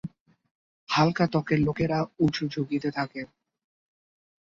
হালকা ত্বকের লোকেরা উচ্চ ঝুঁকিতে থাকে।